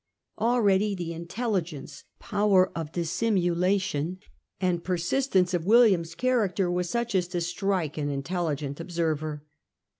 Already the intelligence, power of dissimulation, and per sistence of William's character were such as to strike an intelligent observer.